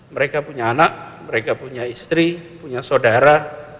mereka punya anak mereka punya istri punya saudara